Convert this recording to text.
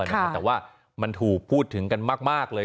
แต่ว่ามันถูกพูดถึงกันมากเลย